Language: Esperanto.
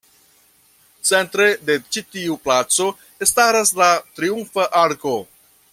Centre de ĉi tiu placo, staras la Triumfa Arko.